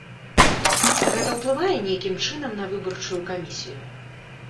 Гэта ўплывае нейкім чынам на выбарчую камісію?